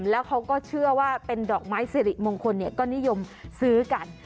แล้วเขาก็เชื่อว่าเป็นดอกไม้สิริมงคลก็นิยมซื้อกัน